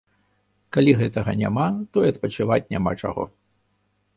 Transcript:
Калі гэтага няма, то і адпачываць няма чаго.